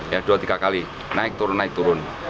ya dua tiga kali naik turun naik turun